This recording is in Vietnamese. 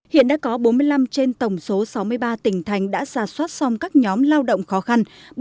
hiện đã có bốn mươi năm trên tổng số sáu mươi ba tỉnh thành đã xà xoát xong các nhóm lao động khó khăn